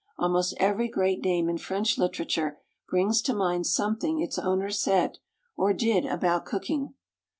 Almost every great name in French literature brings to mind something its owner said or did about cooking.